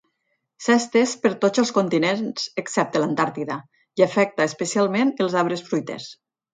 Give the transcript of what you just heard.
S'ha estès per tots els continents excepte l'Antàrtida i afecta especialment els arbres fruiters.